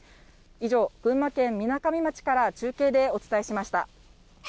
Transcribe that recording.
以上、群馬県みなかみ町から中継でお伝えしました。